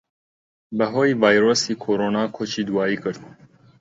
بەھۆی ڤایرۆسی کۆرۆنا کۆچی دواییی کرد